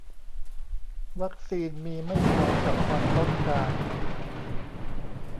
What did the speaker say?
วัคซีนมีไม่พอกับความต้องการ